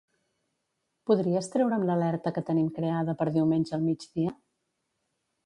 Podries treure'm l'alerta que tenim creada per diumenge al migdia?